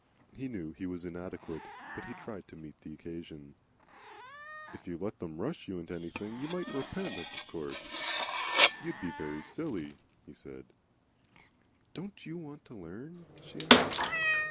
He knew he was inadequate, but he tried to meet the occasion. "If you let them rush you into anything you might repent of, of course you'd be very silly." "Don't YOU want to learn?" she asked.